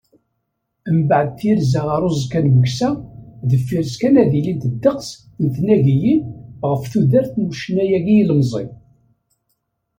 Mbeɛd tirza ɣer uẓekka n Meksa, deffir-s kan ad ilint ddeqs n tnagiyin, ɣef tudert n ucennay-agi ilemẓi.